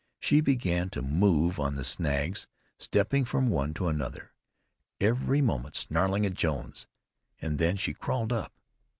She began to move on the snags, stepping from one to the other, every moment snarling at Jones, and then she crawled up.